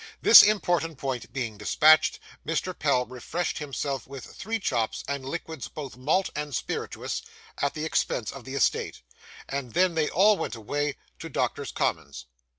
This important point being despatched, Mr. Pell refreshed himself with three chops, and liquids both malt and spirituous, at the expense of the estate; and then they all went away to Doctors' Commons.